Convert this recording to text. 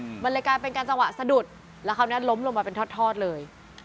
อืมบริการเป็นการจะหวะสะดุดและเค้านั้นล้มลงมาเป็นทอดเลย